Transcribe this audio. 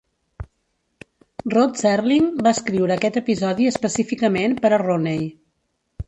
Rod Serling va escriure aquest episodi específicament per a Rooney.